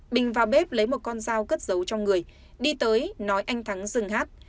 bình vào bếp lấy một con dao cất dấu cho người đi tới nói anh thắng dừng hát